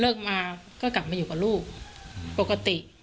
มาก็กลับมาอยู่กับลูกปกติ